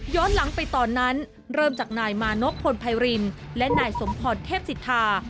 หลังไปตอนนั้นเริ่มจากนายมานพพลไพรินและนายสมพรเทพศิษฐา